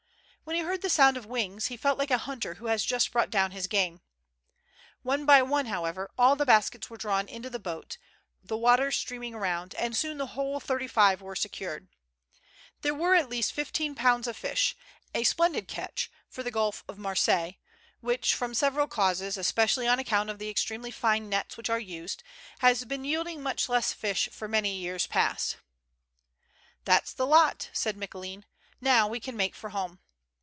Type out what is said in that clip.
When he heard the sound of wings, he felt like a hunter who has just brought down his game. One by one, however, all the baskets were drawn into the boat, the water streaming around ; and soon the whole thirty five were secured. There were at least fifteen pounds of fish — a splendid catch for the Gulf of Marseilles, which, from several causes, especially on account of the extremely fine nets which are used, has been yielding much less fish for many j^ears past. " That's the lot," said Micoulin. " Now we can make for home."